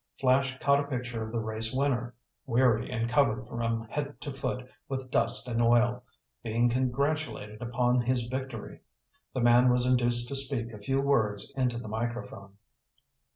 Flash caught a picture of the race winner, weary and covered from head to foot with dust and oil, being congratulated upon his victory. The man was induced to speak a few words into the microphone.